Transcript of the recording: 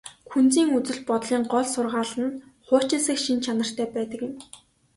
Күнзийн үзэл бодлын гол сургаал нь хуучинсаг шинж чанартай байдаг юм.